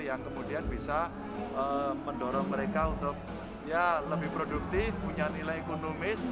yang kemudian bisa mendorong mereka untuk ya lebih produktif punya nilai ekonomis